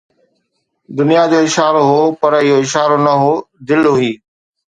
دنيا جو اشارو هو، پر اهو اشارو نه هو، دل هئي